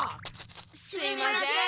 すみません。